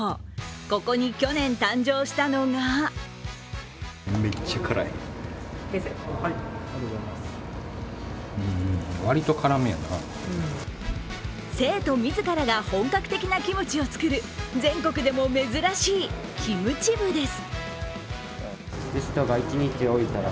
ここに去年、誕生したのが生徒自らが本格的なキムチを作る全国でも珍しいキムチ部です。